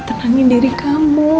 tenangin diri kamu